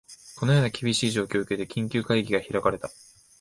このような厳しい状況を受けて、緊急会議が開かれた